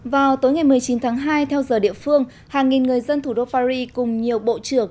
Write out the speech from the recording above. vào tối ngày một mươi chín tháng hai theo giờ địa phương hàng nghìn người dân thủ đô paris cùng nhiều bộ trưởng